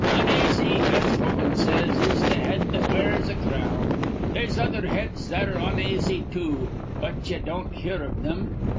"Onaisy, as Hogan says, is th' head that wears a crown. They'se other heads that're onaisy, too; but ye don't hear iv thim.